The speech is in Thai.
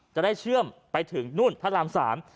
จะได้เชื่อมไปถึงหนุ่นพระราม๓